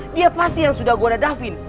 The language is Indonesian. dia pasti yang sudah goda david